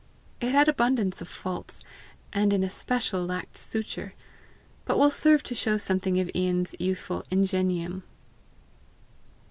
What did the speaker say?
It had abundance of faults, and in especial lacked suture, but will serve to show something of lan's youthful ingenium.